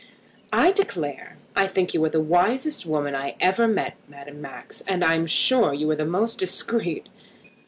"I declare I think you are the wisest woman I ever met, Madame Max. I am sure you are the most discreet.